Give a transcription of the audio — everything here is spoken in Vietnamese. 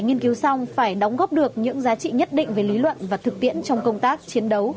nghiên cứu xong phải đóng góp được những giá trị nhất định về lý luận và thực tiễn trong công tác chiến đấu